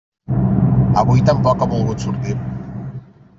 Avui tampoc ha volgut sortir.